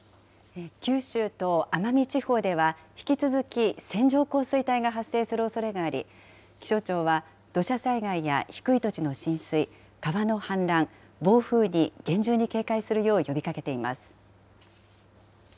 九州と奄美地方では、引き続き線状降水帯が発生するおそれがあり、気象庁は土砂災害や低い土地の浸水、川の氾濫、暴風に厳重に警戒するよう呼びかけています。